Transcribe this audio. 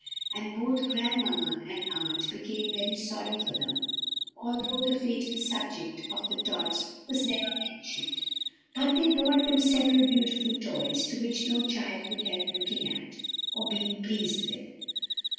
And both grandmamma and aunt became very sorry for them, although the fatal subject of the Tods was never mentioned; but they bought them several beautiful toys which no child could help looking at or being pleased with.